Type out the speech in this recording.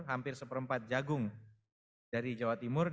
hampir satu empat jagung dari jawa timur